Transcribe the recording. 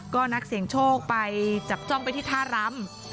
ก็นักเสี่ยงโชคไปจับจ้องไปที่ท่ารำ